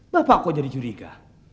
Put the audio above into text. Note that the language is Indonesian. bapak kok jadi curiga